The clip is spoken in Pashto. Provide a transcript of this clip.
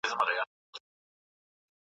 استاد وویل چي ستا لیکنه یو څه اصلاح غواړي.